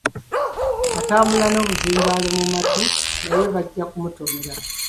Atambula n’obuzindaalo mu matu naye bajja kumutomera.